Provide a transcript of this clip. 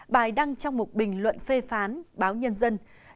bài đăng trong một bình luận phê phán báo nhân dân